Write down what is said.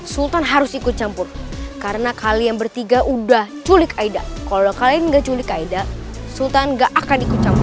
sultan harus ikut campur karena kalian bertiga udah culik aeda kalau kalian enggak culik kaida sultan gak akan ikut campur